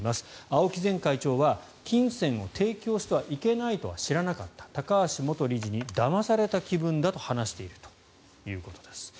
青木前会長は金銭を提供してはいけないとは知らなかった高橋元理事にだまされた気分だと話しているということです。